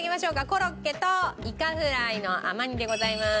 コロッケとイカフライの甘煮でございます。